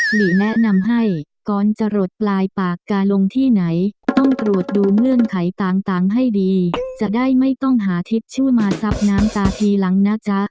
หลีแนะนำให้ก่อนจะหลดปลายปากกาลงที่ไหนต้องตรวจดูเงื่อนไขต่างให้ดีจะได้ไม่ต้องหาทิศชื่อมาซับน้ำตาทีหลังนะจ๊ะ